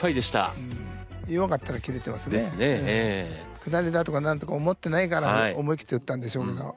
下りだとかなんとか思ってないから思い切って打ったんでしょうけど。